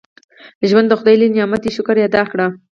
• ژوند د خدای لوی نعمت دی، شکر یې ادا کړه.